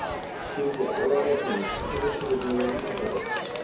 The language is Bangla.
সিনথিয়া, বল আর এক মিনিট, - কথা দিচ্ছ যে তুমি ব্যাবস্থা করবে।